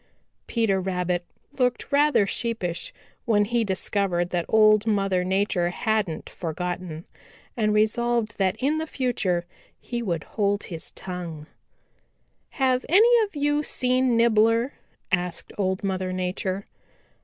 Peter Rabbit looked rather sheepish when he discovered that Old Mother Nature hadn't for gotten, and resolved that in the future he would hold his tongue. "Have any of you seen Nibbler?" asked Old Mother Nature.